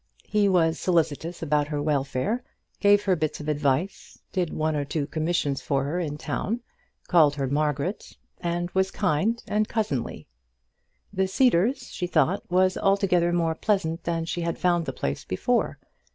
He was solicitous about her welfare, gave her bits of advice, did one or two commissions for her in town, called her Margaret, and was kind and cousinly. The Cedars, she thought, was altogether more pleasant than she had found the place before.